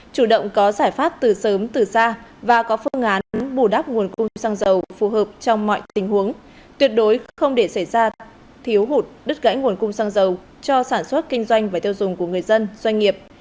chủ động có giải pháp từ sớm từ xa và có phương án bù đắp nguồn cung xăng dầu phù hợp trong mọi tình huống tuyệt đối không để xảy ra thiếu hụt đứt gãy nguồn cung xăng dầu cho sản xuất kinh doanh và tiêu dùng của người dân doanh nghiệp